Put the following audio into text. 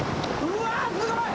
うわっすごい！